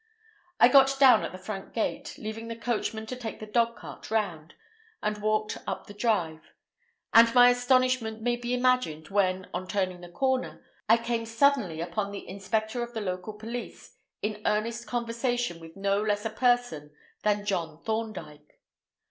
I got down at the front gate, leaving the coachman to take the dogcart round, and walked up the drive; and my astonishment may be imagined when, on turning the corner, I came suddenly upon the inspector of the local police in earnest conversation with no less a person than John Thorndyke.